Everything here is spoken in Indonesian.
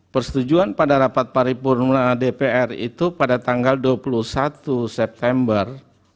persetujuan pada rapat paripurna dpr itu pada tanggal dua puluh satu september dua ribu dua puluh tiga